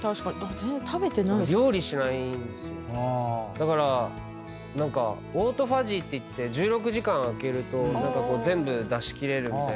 だからオートファジーっていって１６時間空けると全部出し切れるみたいな。